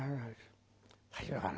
大丈夫かな？